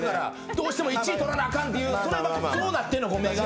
どうしても１位取らなあかんっていうそうなってんの目が。